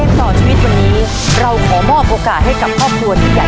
ต่อชีวิตวันนี้เราขอมอบโอกาสให้กับครอบครัวที่ใหญ่